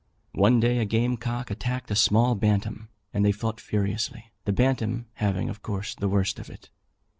One day a game cock attacked a small bantam, and they fought furiously, the bantam having, of course, the worst of it.